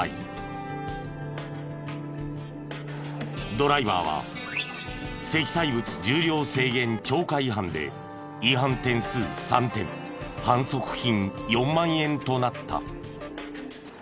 ドライバーは積載物重量制限超過違反で違反点数３点反則金４万円となった。